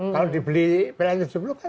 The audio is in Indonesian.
kalau dibeli pln tujuh puluh kan masih untung